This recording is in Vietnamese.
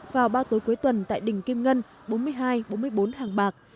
vào ba tối cuối tuần tại đình kim ngân bốn mươi hai bốn mươi bốn hàng bạc